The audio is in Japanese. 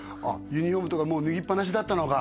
ユニフォームとかもう脱ぎっぱなしだったのが？